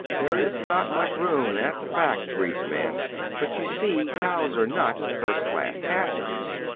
"There is not much room, that's a fact," agreed the man. "But you see cows are not first class passengers."